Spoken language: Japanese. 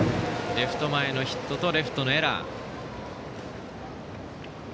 レフト前のヒットとレフトのエラー。